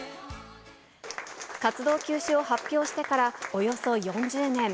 活動休止を発表してからおよそ４０年。